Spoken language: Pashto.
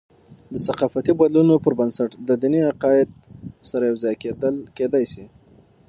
د ثقافتي بدلونونو پربنسټ، د دیني عقاید سره یوځای کیدل کېدي سي.